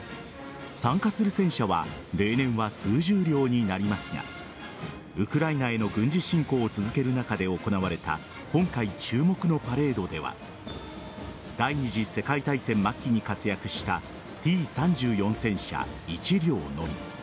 参加する戦車は例年は数十両になりますがウクライナへの軍事侵攻を続ける中で行われた今回、注目のパレードでは第２次世界大戦末期に活躍したＴ‐３４戦車１両のみ。